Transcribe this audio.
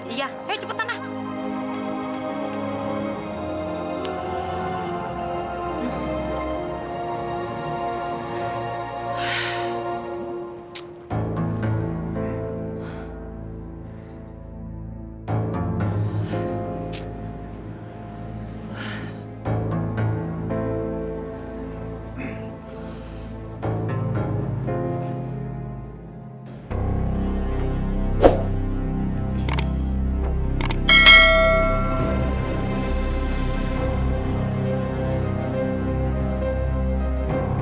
iya ayo cepetan lah